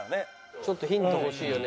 ちょっとヒント欲しいよね。